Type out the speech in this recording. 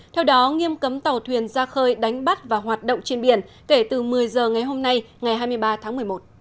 theo đó nghiêm cấm tàu thuyền ra khơi đánh bắt và hoạt động trên biển kể từ một mươi giờ ngày hôm nay ngày hai mươi ba tháng một mươi một